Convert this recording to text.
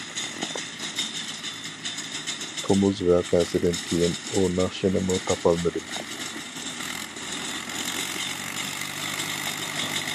تومۇز ۋەقەسىدىن كىيىن ئۇ ناخشىنىمۇ تاپالمىدىم.